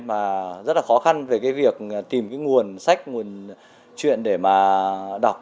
mà rất là khó khăn về cái việc tìm cái nguồn sách nguồn chuyện để mà đọc